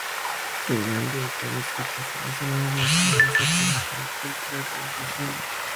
Un tribunal de Bucarest rechazó dos semanas más tarde su apelación contra la decisión.